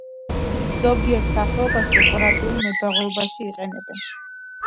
ზოგიერთ სახეობას დეკორატიულ მებაღეობაში იყენებენ.